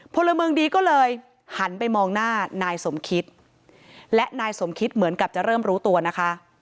พลเมืองดีก็เลยหันไปมองหน้านายสมคิตและนายสมคิดเหมือนกับจะเริ่มรู้ตัวนะคะ